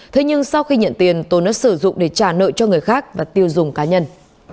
thế nhưng sau khi nhận tiền tồn đã sử dụng để trả nợ cho người khác và tiêu dùng cá nhân